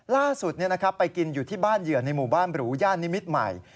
ล่าสุดไปกินอยู่ที่บ้านเหยื่อในหมู่บ้านหรูย่านนิมิตรใหม่